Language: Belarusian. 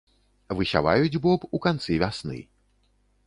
Высяваюць боб у канцы вясны.